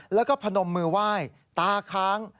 แล้วก็พนมมือไหว้ตาค้าง